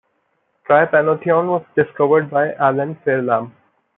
Trypanothione was discovered by Alan Fairlamb.